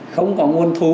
không có nguồn thu